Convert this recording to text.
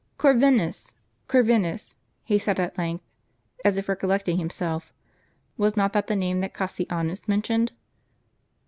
" Corvinus, Corvinus," he said at length, as if recollecting himself, " was not that the name that Cassianus mentioned